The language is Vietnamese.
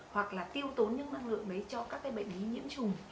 hoặc là tiêu tốn những năng lượng đấy cho các bệnh lý nhiễm trùng